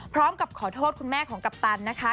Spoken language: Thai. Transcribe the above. พร้อมกับขอโทษคุณแม่ของกัปตันนะคะ